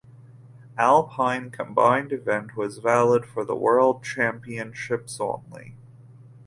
Alpine Combined event was valid for the World Championships only.